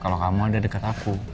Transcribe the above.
kalau kamu ada dekat aku